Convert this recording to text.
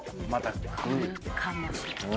来るかもしれない。